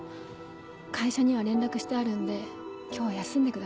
会社には連絡してあるんで今日は休んでください。